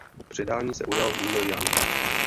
Předání se ujal Neil Young.